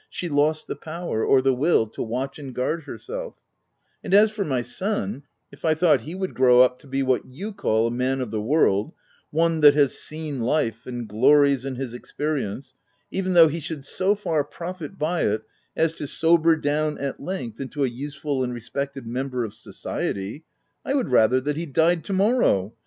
she lost the power, or the will to watch and guard herself ;— and as for my son — if I thought he would grow up to be what you call a man of the world — one that has * seen life J and glories in his experience, even though he should so far profit by it, as to sober down, at length, into a useful and respected member of society — I w r ould rather that he died to morrow